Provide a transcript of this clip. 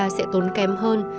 sẽ tốn kem hơn